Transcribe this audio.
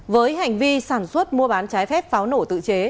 với hành vi sản xuất mua bán trái phép pháo nổ tự chế